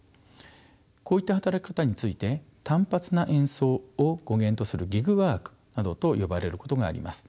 こういった働き方について「単発な演奏」を語源とするギグワークなどと呼ばれることがあります。